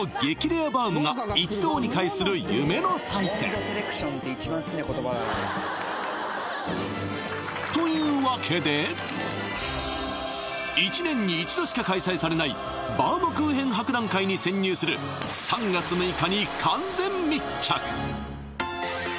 レアバウムが一堂に会する夢の祭典というわけで１年に一度しか開催されないバウムクーヘン博覧会に潜入する３月６日に完全密着